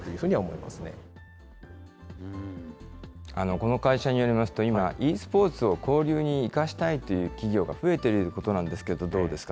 この会社によりますと、今、ｅスポーツを交流に生かしたいという企業が増えているということなんですけど、どうですか？